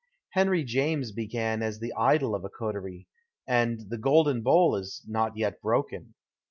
Henry James began as the idol of a coterie, and " The Golden Bowl " is not yet broken.